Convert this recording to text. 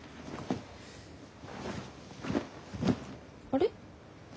あれ？